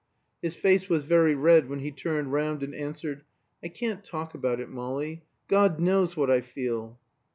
His face was very red when he turned round and answered. "I can't talk about it, Molly. God knows what I feel."